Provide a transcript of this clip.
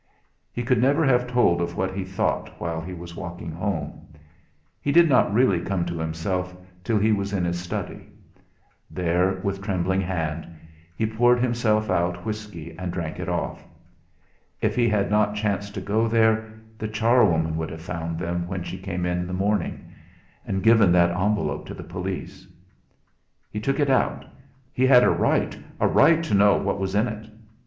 He could never have told of what he thought while he was walking home. He did not really come to himself till he was in his study. There, with a trembling hand, he poured himself out whisky and drank it off. If he had not chanced to go there, the charwoman would have found them when she came in the morning, and given that envelope to the police! He took it out. He had a right a right to know what was in it!